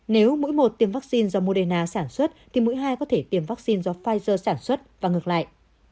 nếu mũi một tiêm vaccine do moderna sản xuất thì mũi hai có thể tiêm vaccine do pfizer sản xuất và ngược lại